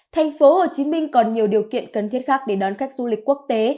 thành phố hồ chí minh còn nhiều điều kiện cần thiết khác để đón khách du lịch quốc tế